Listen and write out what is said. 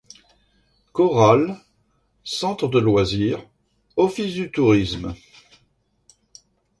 Chorale, centre de Loisirs, office du Tourisme.